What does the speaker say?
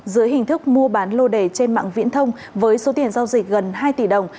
dưới hình thức mua bán lô đề trên mạng viễn thông với số tiền giao dịch gần hai tỷ đồng